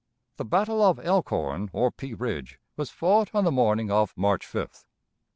The battle of Elkhorn, or Pea Ridge, was fought on the morning of March 5th.